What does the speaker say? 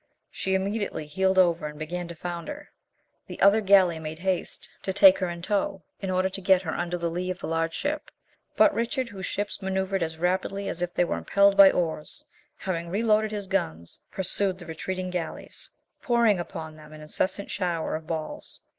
She immediately heeled over and began to founder; the other galley made haste to take her in tow, in order to get her under the lee of the large ship; but Richard, whose ships manoeuvred as rapidly as if they were impelled by oars, having reloaded his guns, pursued the retreating galleys, pouring upon them an incessant shower of balls.